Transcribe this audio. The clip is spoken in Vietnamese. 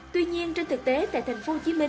tuy nhiên trên thực tế tại tp hcm